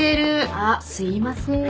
あっすいません。